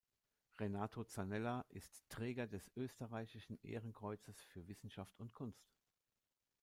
Renato Zanella ist Träger des "Österreichischen Ehrenkreuzes für Wissenschaft und Kunst".